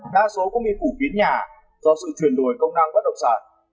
đa số cũng bị phủ biến nhà do sự truyền đổi công năng bất động sản